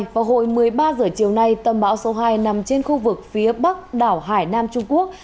vào hồi một mươi ba h chiều nay tâm bão số hai nằm trên khu vực phía bắc đảo hải nam trung quốc